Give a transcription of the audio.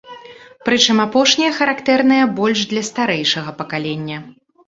Прычым апошнія характэрныя больш для старэйшага пакалення.